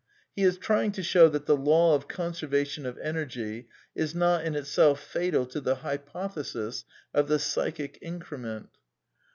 (He is trying to show that the law of conservation of energy is not in itself fatal to the hypothesis of the psychic increment)